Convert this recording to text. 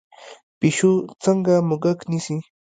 پیشو څنګه موږک نیسي؟